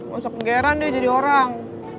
masa kegeran deh jadi orang